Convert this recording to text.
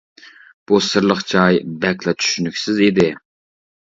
بۇ سىرلىق جاي بەكلا چۈشىنىكسىز ئىدى.